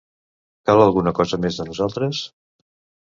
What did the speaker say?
Cal alguna cosa més de nosaltres?